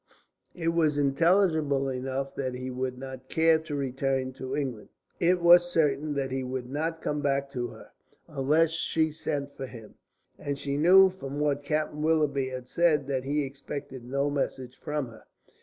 It was intelligible enough that he would not care to return to England. It was certain that he would not come back to her, unless she sent for him. And she knew from what Captain Willoughby had said that he expected no message from her.